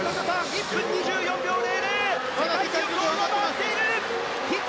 １分２４秒００で世界記録を上回っている！